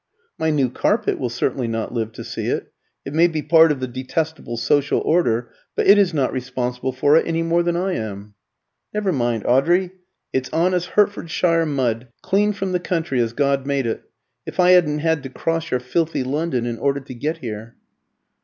"My new carpet will certainly not live to see it. It may be part of the detestable social order, but it is not responsible for it, any more than I am." "Never mind, Audrey. It's honest Hertfordshire mud clean from the country as God made it, if I hadn't had to cross your filthy London in order to get here."